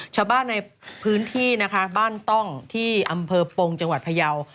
ชาวบ้านในพื้นที่นะคะบ้านต้องที่อำเภอปงจังหวัดพยาว